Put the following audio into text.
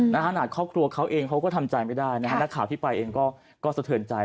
ขนาดครอบครัวเขาเองเขาก็ทำใจไม่ได้นะฮะนักข่าวที่ไปเองก็สะเทือนใจ